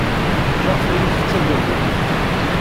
Maɣef ay iyi-tettaggadem?